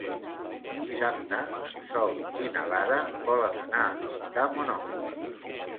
Dissabte en Sol i na Lara volen anar a visitar mon oncle.